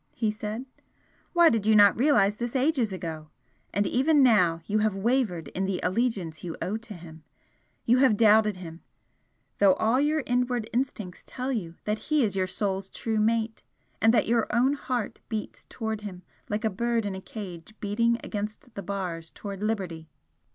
he said "Why did you not realise this ages ago? And even now you have wavered in the allegiance you owe to him you have doubted him, though all your inward instincts tell you that he is your soul's true mate, and that your own heart beats towards him like a bird in a cage beating against the bars towards liberty!"